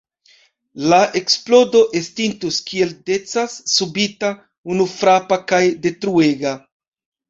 La eksplodo estintus – kiel decas – subita, unufrapa kaj detruega.